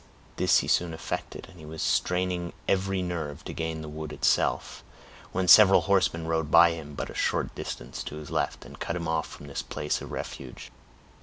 This he soon effected, and he was straining every nerve to gain the wood itself, when several horsemen rode by him but a short distance on his left, and cut him off from this place of refuge.